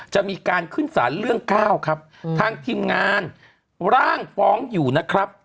จะมีการขึ้นสารเรื่อง๙ครับทางทีมงานร่างฟ้องอยู่นะครับ